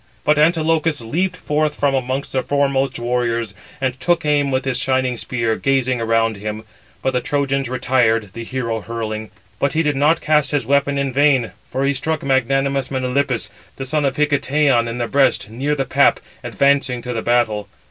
But he (Antilochus) leaped forth from amongst the foremost warriors, and took aim with his shining spear, gazing around him; but the Trojans retired, the hero hurling. But he did not cast his weapon in vain, for he struck magnanimous Melanippus, the son of Hicetaon, in the breast, near the pap, advancing to the battle.